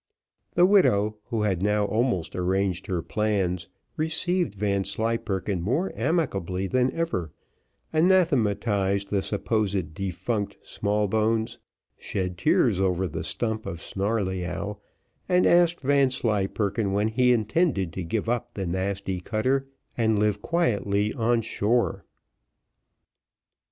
The widow, who had now almost arranged her plans, received Vanslyperken more amicably than ever; anathematised the supposed defunct Smallbones; shed tears over the stump of Snarleyyow, and asked Vanslyperken when he intended to give up the nasty cutter and live quietly on shore.